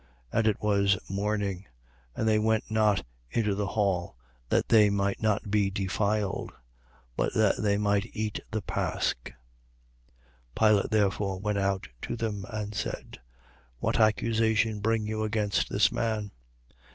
And it was morning: and they went not into the hall, that they might not be defiled, but that they might eat the pasch. 18:29. Pilate therefore went out to them, and said: What accusation bring you against this man?